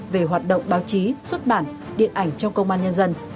về hoạt động báo chí xuất bản điện ảnh trong công an nhân dân